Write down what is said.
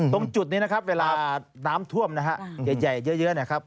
ตรงจุดนี้นะครับเวลาน้ำท่วมนะฮะใหญ่เยอะนะครับ